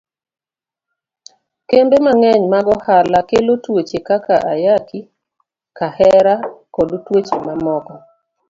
Kembe mang'eny mag ohala kelo tuoche kaka ayaki, kahera, koda tuoche ma moko.